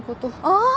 ああ！